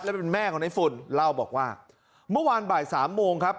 และเป็นแม่ของในฝุ่นเล่าบอกว่าเมื่อวานบ่ายสามโมงครับ